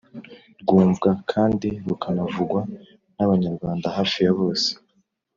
rwumvwa kandi rukanavugwa n’abanyarwanda hafi ya bose.